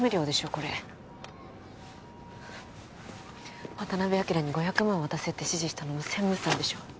これ渡辺昭に５００万渡せって指示したのも専務さんでしょ